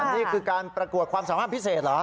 นี่คือการประกวดความสามารถพิเศษเหรอ